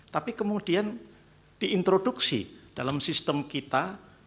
tapi kemudian diintroduksi dalam sistem kita